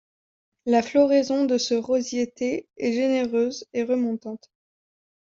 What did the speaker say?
La floraison de ce rosier thé est généreuse et remontante.